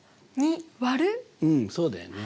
うんそうだよね。